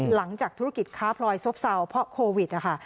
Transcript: หลังจากธุรกิจค้าพลอยซบเศร้าเพราะโควิดนะคะ